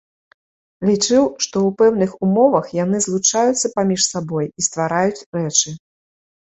Лічыў, што ў пэўных умовах яны злучаюцца паміж сабой і ствараюць рэчы.